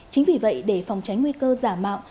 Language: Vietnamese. chính vì vậy để phòng tránh nguy cơ giả mạo